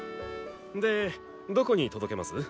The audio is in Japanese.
でどこに届けます？